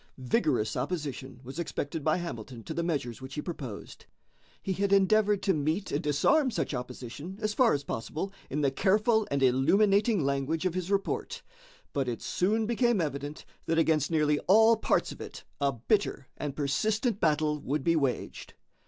Vigorous opposition was expected by Hamilton to the measures which he proposed. He had endeavored to meet and disarm such opposition as far as possible in the careful and illuminating language of his report, but it soon became evident that against nearly all parts of it a bitter and persistent battle would be waged.